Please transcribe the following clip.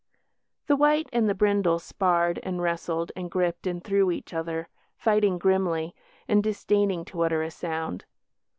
The white and the brindle sparred and wrestled and gripped and threw each other, fighting grimly, and disdaining to utter a sound.